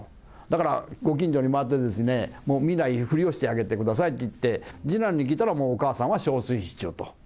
だから、ご近所に回ってですね、もう見ないふりをしてあげてくださいって言って、次男に聞いたらもうお母さんはしょうすいしちょうと。